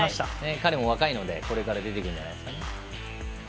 彼も若いので、これから出てくるんじゃないですかね。